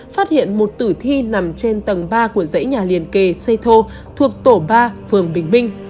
phát hiện một tử thi nằm trên tầng ba của dãy nhà liền kề xây thô thuộc tổ ba phường bình minh